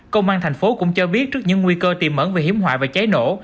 công an thành phố cũng cho biết trước những nguy cơ tiềm ẩn về hiếm hoại và cháy nổ